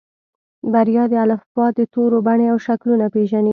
بريا د الفبا د تورو بڼې او شکلونه پېژني.